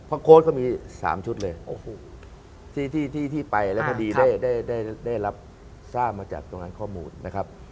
เพราะโค้ดก็มี๓ชุดเลยที่ไปแล้วพอดีได้รับทราบมาจากตรงนั้นข้อมูลนะครับ